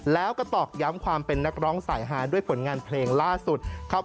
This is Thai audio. แล้วก็ตอกย้ำความเป็นนักร้องสายฮาด้วยผลงานเพลงล่าสุดครับ